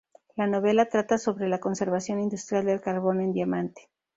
La novela trata sobre la conversión industrial del carbón en diamante.